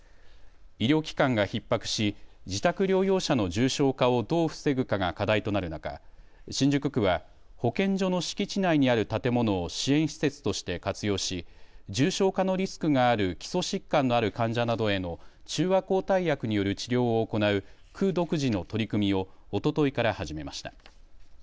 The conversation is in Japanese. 医療機関がひっ迫し自宅療養者の重症化をどう防ぐかが課題となる中、新宿区は保健所の敷地内にある建物を支援施設として活用し重症化のリスクがある基礎疾患のある患者などへの中和抗体薬による治療を行う区独自の取り組みをおとといから始めました。